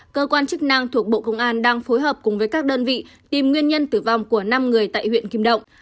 cơ quan chức năng thuộc bộ công an đang phối hợp cùng với các đơn vị tìm nguyên nhân tử vong của năm người tại huyện kim động